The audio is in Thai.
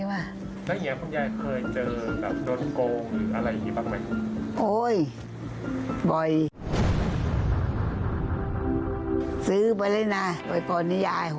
แล้วอย่างนี้พรุ่งยายเคยเจอโดนโกงหรืออะไรอย่างนี้บ้างไหม